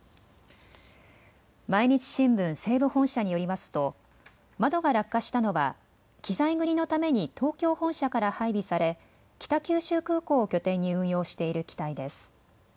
毎日新聞西部本社によりますと窓が落下したのは機材繰りのために東京本社から配備され北九州空港を拠点に運用している機体です。